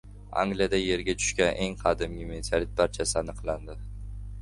Angliyada Yerga tushgan eng qadimgi meteorit parchasi aniqlandi